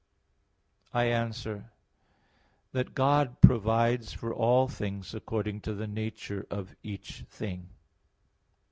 I answer that, God provides for all things according to the nature of each thing.